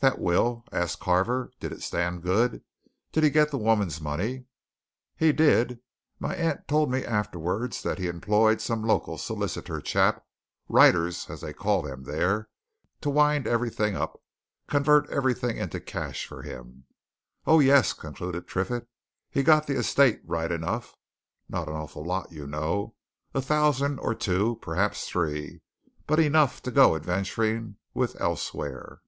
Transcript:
"That will?" asked Carver. "Did it stand good did he get the woman's money?" "He did. My aunt told me afterwards that he employed some local solicitor chap writers, as they call 'em there to wind everything up, convert everything into cash, for him. Oh, yes!" concluded Triffitt. "He got the estate, right enough. Not an awful lot, you know a thousand or two perhaps three but enough to go adventuring with elsewhere."